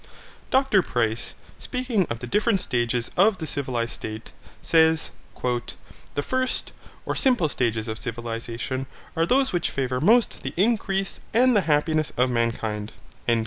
Dr Price, speaking of the different stages of the civilized state, says, 'The first, or simple stages of civilization, are those which favour most the increase and the happiness of mankind.'